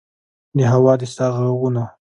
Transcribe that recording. د هوا د سا ه ږغونه مې